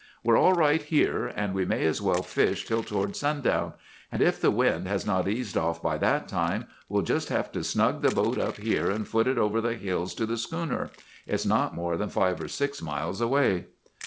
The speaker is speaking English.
We're all right here, and we may as well fish till toward sundown; and if the wind has not eased off by that time, we'll just have to snug the boat up here, and foot it over the hills to the schooner. It's not more than five or six miles anyway.